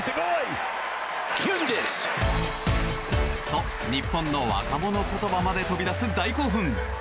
と、日本の若者言葉まで飛び出す大興奮。